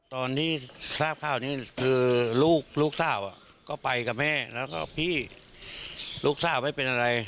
ตอนที่ทราบข่าวนี้คือลูกสาวก็ไปกับแม่แล้วก็พี่ลูกสาวไม่เป็นอะไร